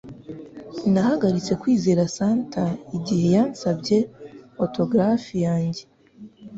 Nahagaritse kwizera Santa igihe yansabye autografi yanjye